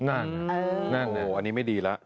นั่นไงอันนี้ไม่ดีแล้ว